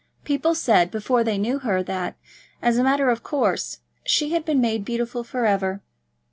People said, before they knew her, that, as a matter of course, she had been made beautiful for ever.